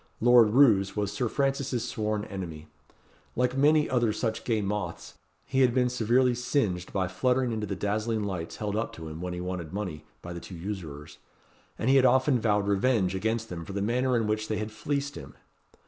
Lord Roos was Sir Francis's sworn enemy. Like many other such gay moths, he had been severely singed by fluttering into the dazzling lights held up to him, when he wanted money, by the two usurers; and he had often vowed revenge against them for the manner in which they had fleeced him.